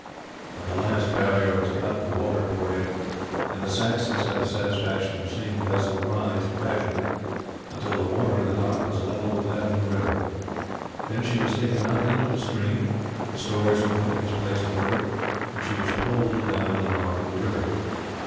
When the last barrier was cut the water poured in, and the Saxons had the satisfaction of seeing the vessel rise gradually until the water in the dock was level with that in the river. Then she was taken out into the stream, the stores and fittings placed aboard, and she was poled down to the mouth of the river.